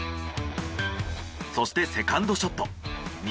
そしてセカンドショット。